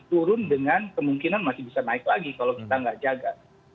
turun dengan kemungkinan masih bisa naik lagi kalau kita nggak jaga